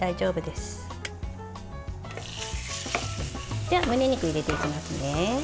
では、むね肉を入れていきますね。